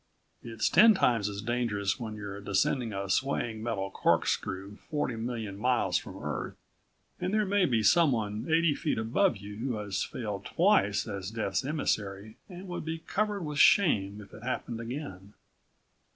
It's ten times as dangerous when you're descending a swaying metal corkscrew forty million miles from Earth and there may be someone eighty feet above you who has failed twice as Death's emissary and would be covered with shame if it happened again.